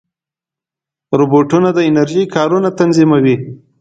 روبوټونه د انرژۍ کارونه تنظیموي.